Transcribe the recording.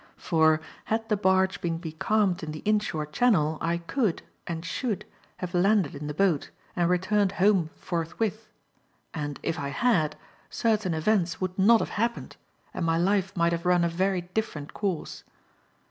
For had the barge been becalmed in the inshore channel, I could, and should, have landed in the boat and returned home forthwith; and if I had, certain events would not have happened and my life might have run a very different course.